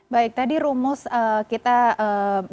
baik tadi rumus kita